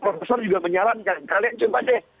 profesor juga menyarankan kalian coba deh